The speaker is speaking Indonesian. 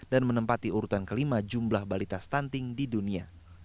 dan menempati urutan kelima jumlah balita stunting di dunia